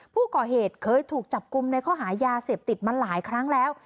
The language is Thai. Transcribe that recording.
ผู้ก่อเหตุเคยถูกจับกลุ่มในข้อหายาเสพติดมาหลายครั้งแล้ว